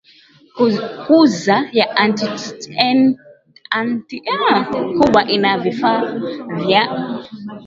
kuzaa ya ant anteater kubwa ina vifaa vya